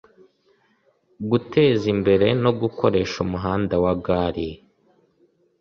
guteza imbere no gukoresha umuhanda wa gari